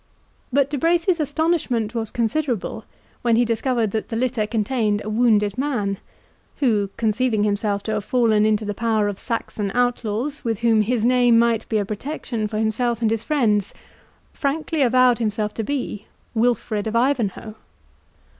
But De Bracy's astonishment was considerable, when he discovered that the litter contained a wounded man, who, conceiving himself to have fallen into the power of Saxon outlaws, with whom his name might be a protection for himself and his friends, frankly avowed himself to be Wilfred of Ivanhoe.